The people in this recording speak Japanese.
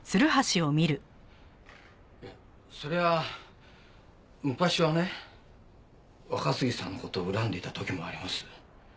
そりゃあ昔はね若杉さんの事を恨んでいた時もあります。